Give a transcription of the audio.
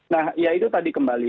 nah ya itu tadi kembali